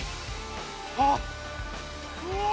ああうわ